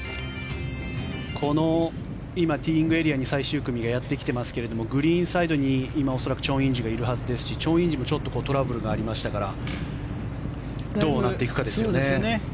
この今、ティーイングエリアに最終組がやってきていますがグリーンサイドに今、恐らくチョン・インジがいるはずですしチョン・インジもちょっとトラブルがありましたからどうなっていくかですよね。